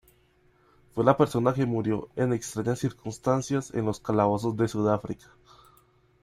Fue la persona que murió en extrañas circunstancias en los calabozos de Sudáfrica.